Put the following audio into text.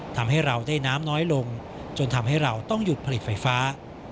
ทำให้เราได้น้ำน้อยลงจนทำให้เราต้องหยุดผลิตไฟฟ้า